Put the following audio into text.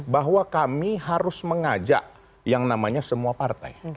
bahwa kami harus mengajak yang namanya semua partai